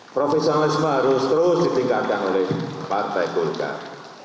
profesionalisme harus terus ditingkatkan oleh partai golkar